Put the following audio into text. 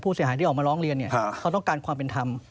เสียหายที่ออกมาร้องเรียนเขาต้องการความเป็นธรรม